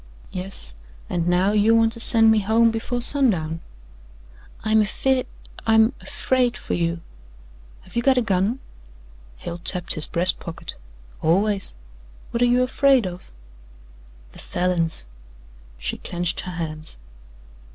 "Yes, and now you want to send me home before sundown." "I'm afeer I'm afraid for you. Have you got a gun?" Hale tapped his breast pocket. "Always. What are you afraid of?" "The Falins." She clenched her hands.